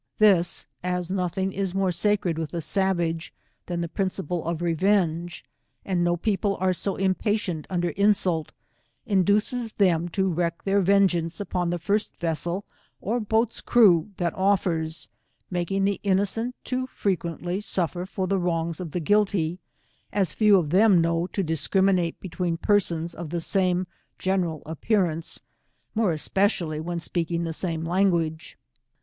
This, as nothing is more s^^cred with a savage than the principle of revenge, and no L 114 people are so impati^^nt under insult, induces them to wreak their vengeance upon the first vessel or boat's crew that offers, making the innocent too frequently suffer for the wrongs of the guilty, as few . of them know how to discriminate between persons of the same general appearance, more especially when speaking the same language.